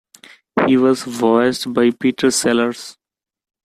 He was voiced by Peter Sellers.